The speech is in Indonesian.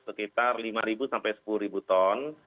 sekitar lima ribu sampai sepuluh ribu ton